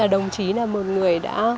đồng chí là một người đã